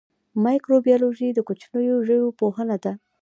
مایکروبیولوژي د کوچنیو ژویو پوهنه ده